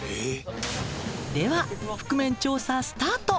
では覆面調査スタート。